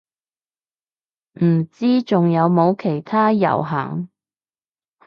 唔知仲有冇其他遊行